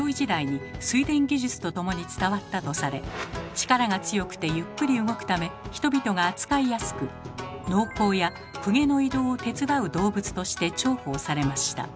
力が強くてゆっくり動くため人々が扱いやすく農耕や公家の移動を手伝う動物として重宝されました。